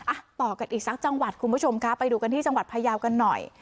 อ่ะต่อกันอีกสักจังหวัดคุณผู้ชมคะไปดูกันที่จังหวัดพยาวกันหน่อย